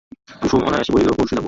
কুসুম অনায়াসে বলিল, পরশু যাব।